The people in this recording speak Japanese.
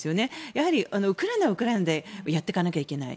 やはり、ウクライナはウクライナでやっていかなきゃいけない。